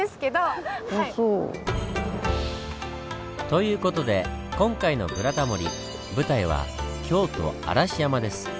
という事で今回の「ブラタモリ」舞台は京都・嵐山です。